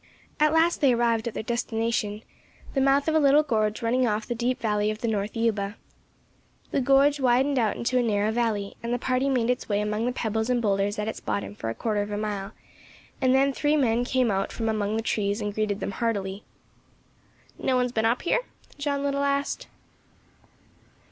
At last they arrived at their destination, the mouth of a little gorge running off the deep valley of the north Yuba. The gorge widened out into a narrow valley, and the party made its way among the pebbles and boulders at its bottom for a quarter of a mile, and then three men came out from among the trees and greeted them heartily. "No one has been up here?" John Little asked.